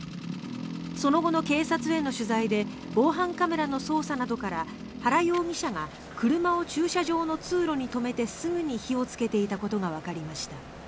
その後の警察への取材で防犯カメラの捜査などから原容疑者が車を駐車場の通路に止めてすぐに火をつけていたことがわかりました。